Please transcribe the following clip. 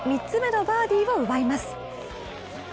３つ目のバーディーを奪います。